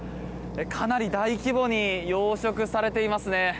かなり大規模に養殖されていますね。